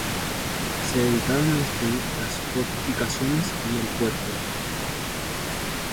Se dedicaron a destruir las fortificaciones y el puerto.